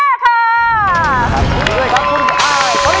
ขอบคุณด้วยครับคุณอาย